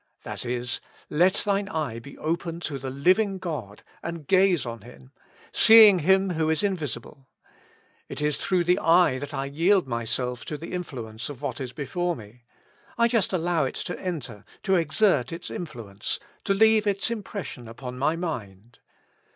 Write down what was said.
That is, let thine eye be open to the Living God, and gaze on Him, seeing Him who is Invisible. It is through the eye that I yield myself to the influence of what is before me ; I just allow it to enter, to exert its influence, to leave its impression upon my mind.